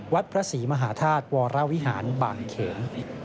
วัดพระศรีมหาธาตุวรวิหารบางเขน